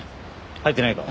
入ってないか？